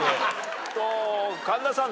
神田さん